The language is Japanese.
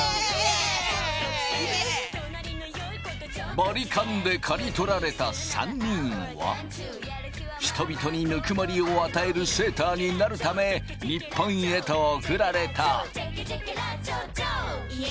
バリカンで刈り取られた３人は人々にぬくもりを与えるセーターになるため日本へと送られた。